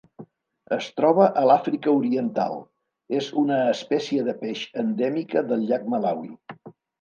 Es troba a l'Àfrica Oriental: és una espècie de peix endèmica del llac Malawi.